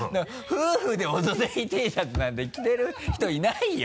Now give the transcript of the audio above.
夫婦でオドぜひＴシャツなんて着てる人いないよ！